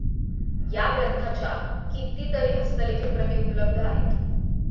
या ग्रंथाच्या कितीतरी हस्तलिखित प्रती उपलब्ध आहेत.